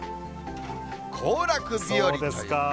行楽日和ということで。